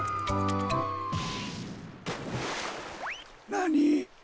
なに？